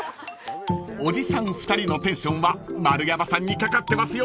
［おじさん２人のテンションは丸山さんにかかってますよ］